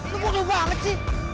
lu bodo banget sih